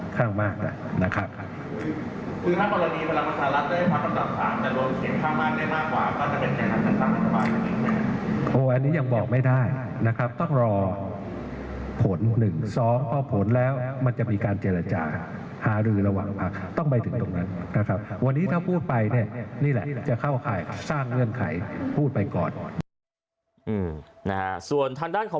ทำไมความภาคภารมณ์เชียงรัฐไม่ได้อันหนึ่ง